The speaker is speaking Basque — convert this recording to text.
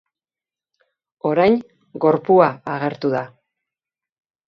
Orain, gorpua agertu da.